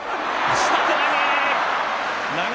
下手投げ。